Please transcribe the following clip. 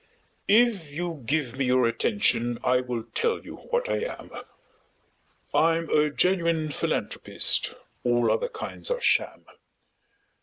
If you give me your attention, I will tell you what I am: I'm a genuine philanthropist all other kinds are sham.